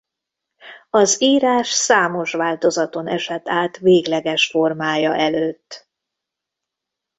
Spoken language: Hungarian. Az írás számos változaton esett át végleges formája előtt.